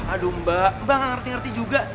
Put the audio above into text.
aduh mbak mbak gak ngerti ngerti juga